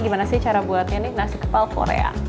gimana sih cara buat ini nasi kepal korea